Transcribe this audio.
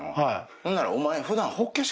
ほんならお前。